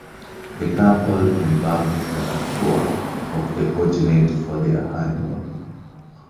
The couple embarked on a tour of the continent for their honeymoon.